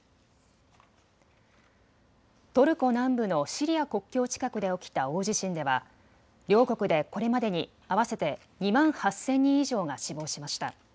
トルコ南部のシリア国境近くで起きた大地震では両国でこれまでに合わせて２万８０００人以上が死亡しました。